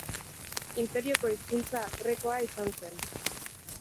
Inperioko hizkuntza grekoa izan zen.